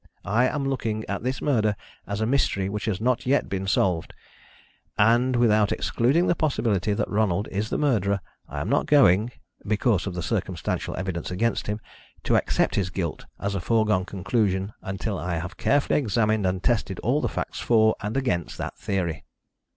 I am looking at this murder as a mystery which has not yet been solved, and, without excluding the possibility that Ronald is the murderer, I am not going, because of the circumstantial evidence against him, to accept his guilt as a foregone conclusion until I have carefully examined and tested all the facts for and against that theory.